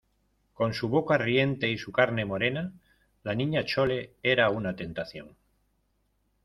con su boca riente y su carne morena, la Niña Chole era una tentación.